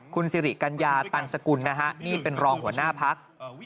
คุณสิริกัญญาตันสกุลนะฮะนี่เป็นรองหัวหน้าพัก